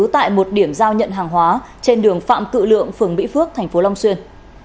tại một điểm giao nhận hàng hóa trên đường phạm cự lượng phường mỹ phước tp long xuyên